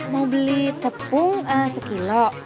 mau beli tepung sekilo